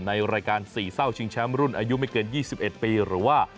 ในรายการ๔เศร้าชิงแชมป์รุ่นอายุไม่เกิน๒๑ปีหรือว่า